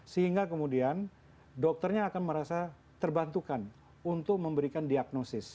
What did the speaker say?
sehingga kemudian dokternya akan merasa terbantukan untuk memberikan diagnosis